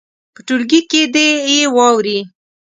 په ټولګي کې دې یې واوروي.